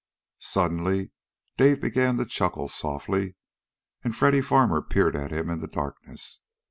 Suddenly, Dave began to chuckle softly. And Freddy Farmer peered at him in the darkness.